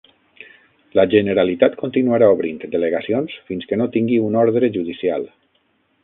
La Generalitat continuarà obrint delegacions fins que no tingui una ordre judicial